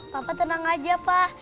papa tenang aja pa